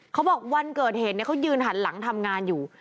วันเกิดเหตุเขายืนหันหลังทำงานอยู่